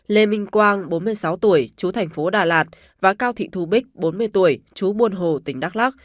lê minh quang bốn mươi sáu tuổi chú thành phố đà lạt và cao thị thù bích bốn mươi tuổi chú buôn hồ tỉnh đắk lắc